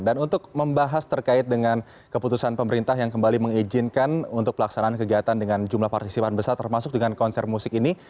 dan untuk membahas terkait dengan keputusan pemerintah yang kembali mengizinkan untuk pelaksanaan kegiatan dengan jumlah partisipan besar termasuk dengan konser musik ini